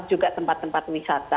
juga tempat tempat wisata